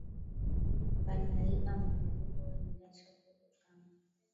Bana iba ma nguwo niliacha kulu kamba